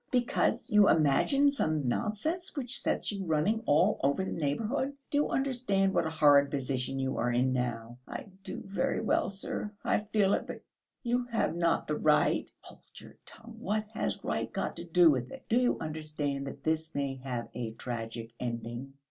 Because you imagine some nonsense which sets you running all over the neighbourhood! Do you understand what a horrid position you are in now?" "I do very well, sir! I feel it, but you have not the right...." "Hold your tongue! What has right got to do with it? Do you understand that this may have a tragic ending?